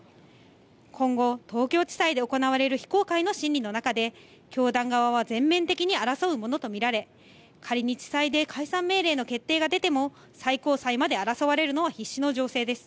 今後、東京地裁で行われる非公開の審理の中で、教団側は全面的に争うものと見られ、仮に地裁で解散命令の決定が出ても、最高裁まで争われるのは必至の情勢です。